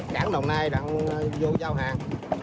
cảng đồng nai đang vô giao hàng